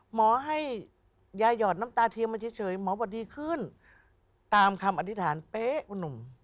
หมอให้ยาหยอดน้ำตาเทียมมาเฉยหมอบอกดีขึ้นตามคำอธิษฐานเป๊ะคุณหนุ่ม